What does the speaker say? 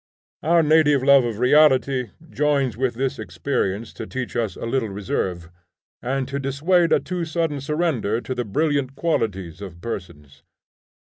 Our native love of reality joins with this experience to teach us a little reserve, and to dissuade a too sudden surrender to the brilliant qualities of persons.